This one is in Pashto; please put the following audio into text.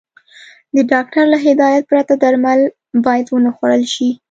د ډاکټر له هدايت پرته درمل بايد ونخوړل شي.